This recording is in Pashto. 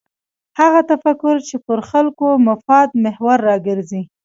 هغه تفکر چې پر خلکو مفاد محور راګرځي.